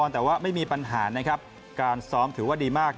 แต่ว่าไม่มีปัญหานะครับการซ้อมถือว่าดีมาก